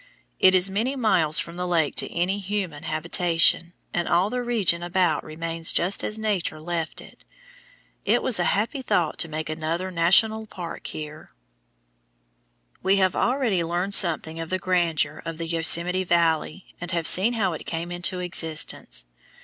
It is many miles from the lake to any human habitation, and all the region about remains just as Nature left it. It was a happy thought to make another national park here. [Illustration: FIG. 134. THE PUNCH BOWL, YELLOWSTONE PARK] We have already learned something of the grandeur of the Yosemite Valley and have seen how it came into existence.